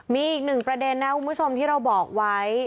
มีอีกหนึ่งประเด็นนะคุณผู้ชมที่เราบอกไว้